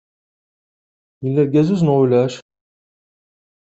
Yella lgazuz neɣ ulac?